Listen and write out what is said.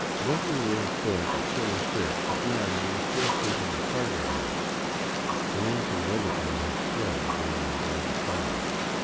Though we were afoot at chilly six, at nine we were still seeking a cargador. The one from Bogota had fled during the darkest hours.